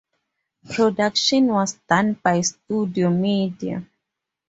Production was done by Studio Media.